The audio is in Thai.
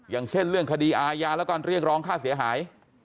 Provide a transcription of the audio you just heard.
อย่างเช่นเรื่องคดีอาญาและการเรียกร้องค่าเสียหาย